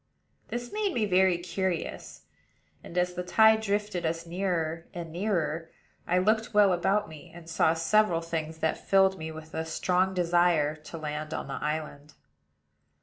This made me very curious; and, as the tide drifted us nearer and nearer, I looked well about me, and saw several things that filled me with a strong desire to land on the island.